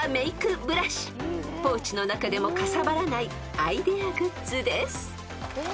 ［ポーチの中でもかさばらないアイデアグッズです］